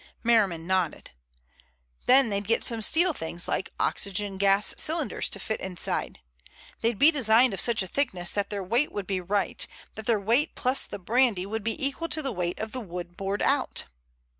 Merriman nodded. "Then they'd get some steel things like oxygen gas cylinders to fit inside. They'd be designed of such a thickness that their weight would be right; that their weight plus the brandy would be equal to the weight of the wood bored out."